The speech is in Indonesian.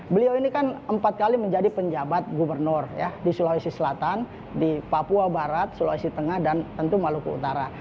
beliau ini kan empat kali menjadi penjabat gubernur di sulawesi selatan di papua barat sulawesi tengah dan tentu maluku utara